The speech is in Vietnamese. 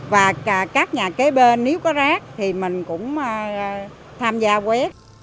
và các nhà kế bên nếu có rác thì mình cũng tham gia quét